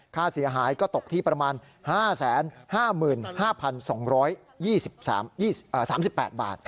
ค่าเสียหายก็ตกที่ประมาณ๕๕๒๒๓๘บาท